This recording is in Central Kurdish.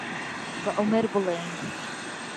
بە عومەر بڵێین؟